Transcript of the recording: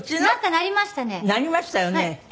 鳴りましたよね。